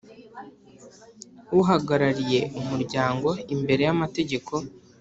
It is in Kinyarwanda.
uhagarariye Umuryango imbere y’amategeko.